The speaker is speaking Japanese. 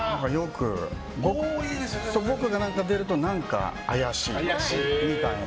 僕が出ると何か怪しいみたいな。